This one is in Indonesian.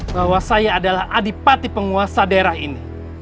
bahwa saya adalah adipati penguasa daerah ini